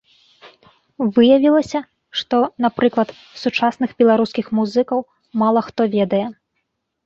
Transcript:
Выявілася, што, напрыклад, сучасных беларускіх музыкаў мала хто ведае.